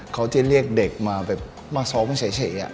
เขาจะเรียกเด็กมาแบบมาซ้อมเฉย